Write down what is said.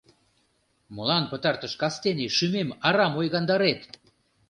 — Молан пытартыш кастене шӱмем арам ойгандарет?